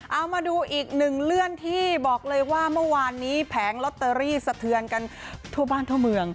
เอามาดูอีกหนึ่งเลื่อนที่บอกเลยว่าเมื่อวานนี้แผงลอตเตอรี่สะเทือนกันทั่วบ้านทั่วเมือง